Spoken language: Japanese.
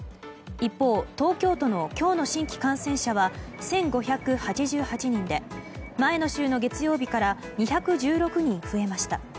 一方、東京都の今日の新規感染者は１５８８人で前の週の月曜日から２１６人増えました。